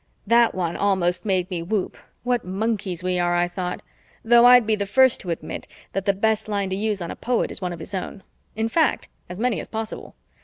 '" That one almost made me whoop what monkeys we are, I thought though I'd be the first to admit that the best line to use on a poet is one of his own in fact, as many as possible.